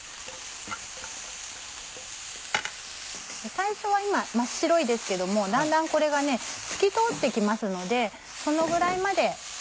最初は今真っ白いですけどもだんだんこれが透き通って来ますのでそのぐらいまで。